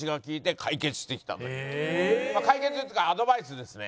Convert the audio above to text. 解決っていうかアドバイスですね。